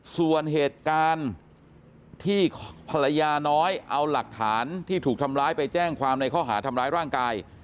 ส่วนเหตุการณ์ที่ภรรยาน้อยเอาหลักฐานที่ถูกทำร้ายไปแจ้งความในข้อหาทำร้ายร่างกาย